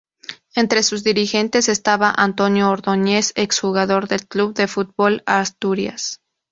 Entre sus dirigentes estaba Antonio Ordóñez, exjugador del Club de Fútbol Asturias.